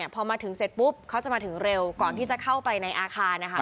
พอมาถึงเสร็จปุ๊บเขาจะมาถึงเร็วก่อนที่จะเข้าไปในอาคารนะคะ